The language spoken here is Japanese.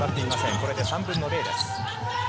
これで３分の０です。